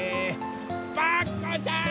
パクこさん！